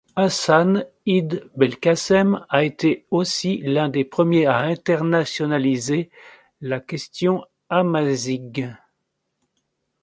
Hassan Id Belkassm a été aussi l'un des premiers à internationaliser la question amazighe.